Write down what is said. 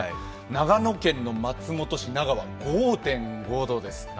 長野県の松本市奈川は５．５度です。